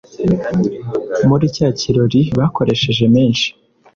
muri cya kirori bakoresheje menshi